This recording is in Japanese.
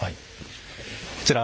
こちら。